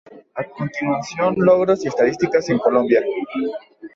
A continuación logros y estadísticas en Colombia.